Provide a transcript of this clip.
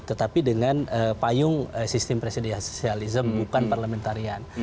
tetapi dengan payung sistem presidensialisme bukan parlamentarian